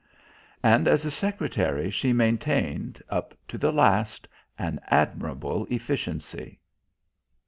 And as a secretary she maintained, up to the last, an admirable efficiency.